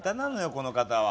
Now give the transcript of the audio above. この方は。